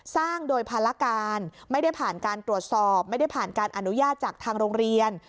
สร้างโดยภารการไม่ได้ผ่านการตรวจสอบไม่ได้ผ่านการอนุญาตจากทางโรงเรียน